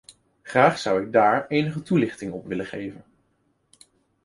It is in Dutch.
Graag zou ik daar enige toelichting op willen geven.